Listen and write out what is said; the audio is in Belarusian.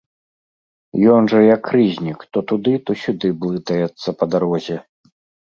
Ён жа, як рызнік, то туды, то сюды блытаецца па дарозе.